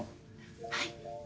はい。